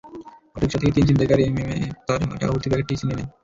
Autorickshaw থেকে তিন ছিনতাইকারী নেমে তাঁর হাতে টাকাভর্তি প্যাকেটটি ছিনিয়ে নেয়।